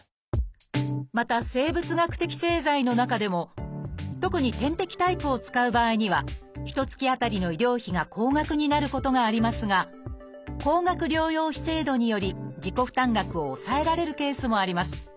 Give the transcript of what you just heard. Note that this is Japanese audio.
また生物学的製剤の中でも特に点滴タイプを使う場合には一月あたりの医療費が高額になることがありますが高額療養費制度により自己負担額を抑えられるケースもあります。